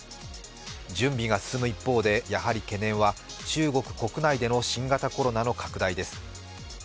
準備が進む一方でやはり懸念は中国国内での新型コロナの拡大です。